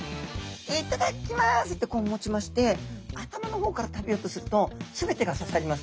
「いっただっきます」ってこう持ちまして頭の方から食べようとすると全てが刺さります。